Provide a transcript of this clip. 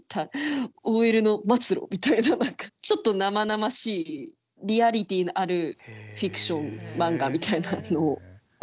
ちょっと生々しいリアリティーのあるフィクション漫画みたいなのを。